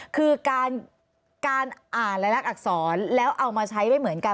คือการอ่านและรักอักษรแล้วเอามาใช้ไม่เหมือนกัน